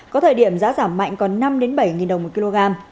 có thời điểm giá giảm mạnh còn năm bảy đồng một kg